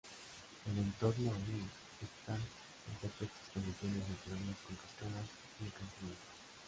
El entorno aún está en perfectas condiciones naturales con cascadas y acantilados.